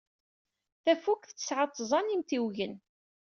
Tafukt tesɛa tẓa n yimtiwgen.